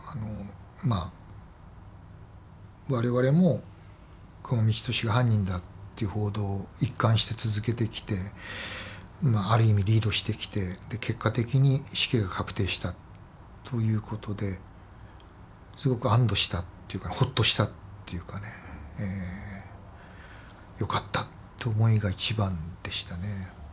まあ我々も久間三千年が犯人だっていう報道を一貫して続けてきてある意味リードしてきて結果的に死刑が確定したということですごく安どしたっていうかほっとしたっていうかねよかったって思いが一番でしたね。